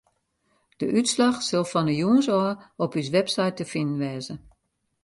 De útslach sil fan 'e jûns ôf op ús website te finen wêze.